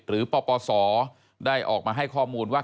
ปปศได้ออกมาให้ข้อมูลว่า